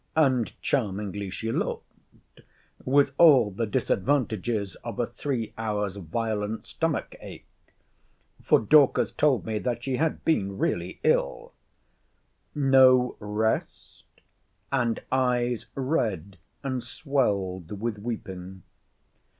And charmingly she looked, with all the disadvantages of a three hours violent stomach ache—(for Dorcas told me that she had been really ill)—no rest, and eyes red and swelled with weeping.